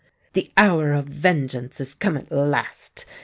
"The hour of vengeance is come at last!"